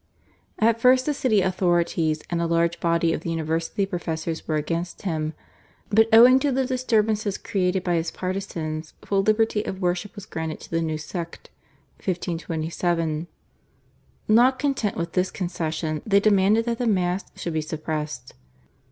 At first the city authorities and a large body of the university professors were against him, but owing to the disturbances created by his partisans full liberty of worship was granted to the new sect (1527). Not content with this concession, they demanded that the Mass should be suppressed.